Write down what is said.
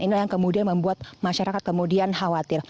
inilah yang kemudian membuat masyarakat kemudian khawatir